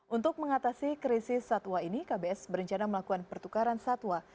untuk mengatasi krisis satwa ini kbs berencana melakukan pertukaran satwa